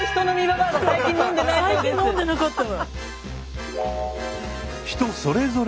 最近飲んでなかったわ。